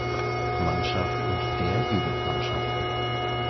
Mannschaft und der Jugendmannschaften.